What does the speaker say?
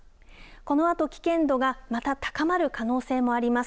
このあと危険度がまた高まる可能性もあります。